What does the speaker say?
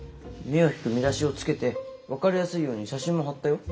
目を引く見出しを付けて分かりやすいように写真も貼ったよ。